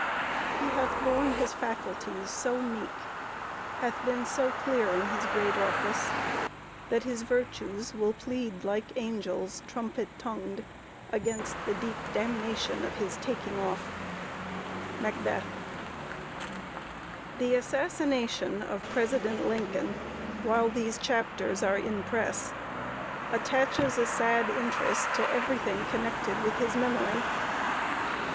He hath borne his faculties so meek, hath been So clear in his great office, that his virtues Will plead like angels, trumpet tongued, against The deep damnation of his taking off. MACBETH. [Sidenote: REMINISCENCES OF ABRAHAM LINCOLN.] The assassination of President Lincoln, while these chapters are in press, attaches a sad interest to everything connected with his memory.